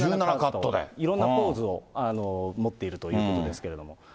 いろんなポーズを持っているということですけれども。